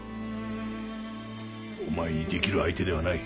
お前に出来る相手ではない。